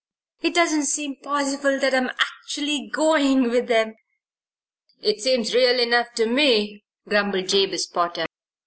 It doesn't seem possible that I am actually going with them." "It seems real enough to me," grumbled Jabez Potter.